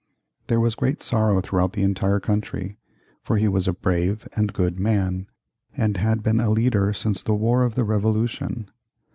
There was great sorrow throughout the entire country, for he was a brave and good man, and had been a leader since the War of the Revolution.